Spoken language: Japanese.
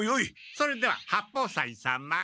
それでは八方斎様。